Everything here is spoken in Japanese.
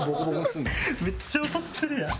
めっちゃ怒ってるやん！